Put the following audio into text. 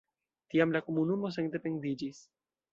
Tiam la komunumo sendependiĝis.